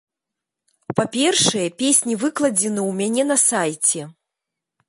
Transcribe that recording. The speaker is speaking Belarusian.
Па-першае, песні выкладзены ў мяне на сайце.